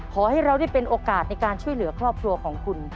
ขอให้เราได้เป็นโอกาสในการช่วยเหลือครอบครัวของคุณ